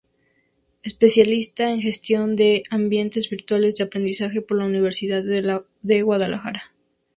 Especialista en Gestión de ambientes virtuales de aprendizaje por la Universidad de Guadalajara.